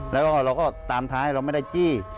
แล้วก็เราก็ตามท้ายเราไม่ได้จี้